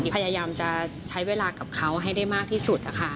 พยายามจะใช้เวลากับเขาให้ได้มากที่สุด